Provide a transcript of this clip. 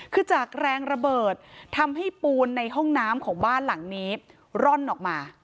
คือจากแรงระเบิดทำให้ปูนในห้องน้ำของบ้านหลังนี้ร่อนออกมา